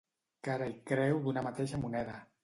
Cara i creu d'una mateixa moneda.